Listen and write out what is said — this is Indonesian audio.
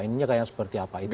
ininya kayaknya seperti apa